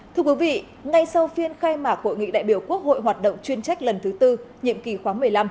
thưa quý vị ngay sau phiên khai mạc hội nghị đại biểu quốc hội hoạt động chuyên trách lần thứ tư nhiệm kỳ khóa một mươi năm